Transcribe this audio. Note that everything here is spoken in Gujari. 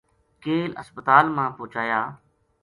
کیل ہسپتال ما پوہچایا